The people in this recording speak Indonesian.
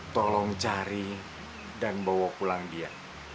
tolong cari dan bawa pulang dia